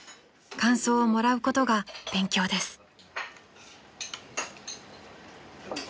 ［感想をもらうことが勉強です］